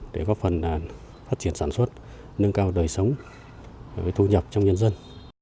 để góp phần phát triển sản xuất nâng cao đời sống thu nhập trong nhân dân